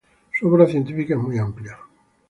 Su obra científica es muy amplia.